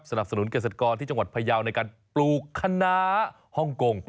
สนุนเกษตรกรที่จังหวัดพยาวในการปลูกคณะฮ่องกง